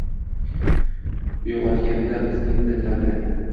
Uygʻotganda bizning dillarni.